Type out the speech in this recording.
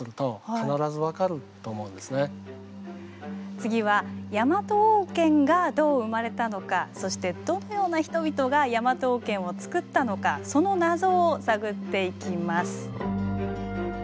次はヤマト王権がどう生まれたのかそしてどのような人々がヤマト王権をつくったのかその謎を探っていきます。